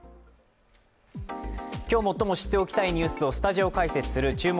今日、最も知っておきたいニュースをスタジオ解説する「注目！